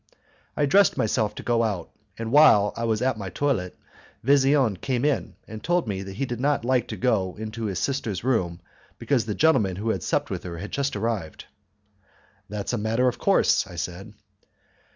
I dressed myself to go out, and while I was at my toilet Vesian came in and told me that he did not like to go into his sister's room because the gentleman who had supped with her had just arrived. "That's a matter of course," I said.